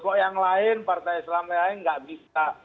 loh yang lain partai islam lain lain nggak bisa